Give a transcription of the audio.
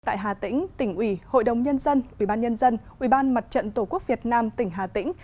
tại hà tĩnh tỉnh ủy hội đồng nhân dân ubnd ubnd tổ quốc việt nam tỉnh hà tĩnh